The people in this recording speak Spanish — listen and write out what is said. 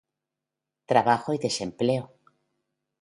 Trabajo y desempleo